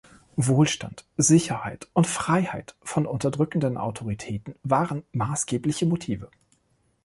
Wohlstand, Sicherheit und Freiheit von unterdrückenden Autoritäten waren maßgebliche Motive.